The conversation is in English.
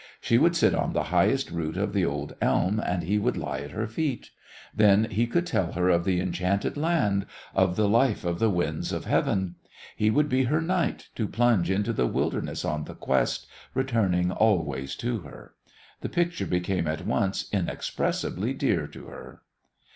She would sit on the highest root of the old elm, and he would lie at her feet. Then he could tell her of the enchanted land, of the life of the winds of heaven. He would be her knight, to plunge into the wilderness on the Quest, returning always to her. The picture became at once inexpressibly dear to her.